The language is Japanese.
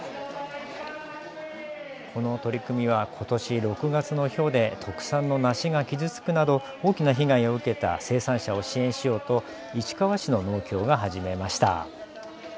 この取り組みはことし６月のひょうで特産の梨が傷つくなど大きな被害を受けた生産者を支援しようと市川市の農協が始めました。